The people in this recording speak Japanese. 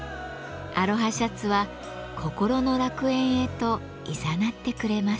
アロハシャツは心の楽園へといざなってくれます。